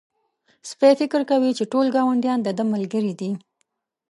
سپی فکر کوي چې ټول ګاونډيان د ده ملګري دي.